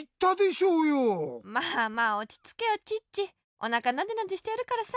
おなかなでなでしてやるからさ。